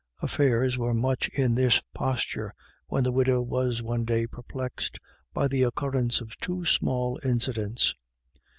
Affairs were much in this posture, when the widow was one day perplexed by the occurrence of two small incidents.